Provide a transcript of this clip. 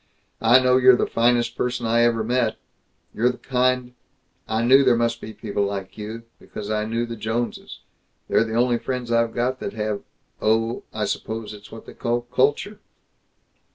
"I know you're the finest person I ever met. You're the kind I knew there must be people like you, because I knew the Joneses. They're the only friends I've got that have, oh, I suppose it's what they call culture."